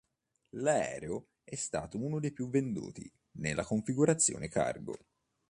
L'aereo è stato uno dei più venduti nella configurazione cargo.